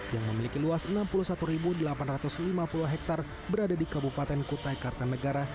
yang memiliki luas enam puluh satu delapan ratus lima puluh hektare berada di kabupaten kutai kartanegara